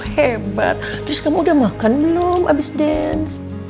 hebat terus kamu udah makan belum habis dance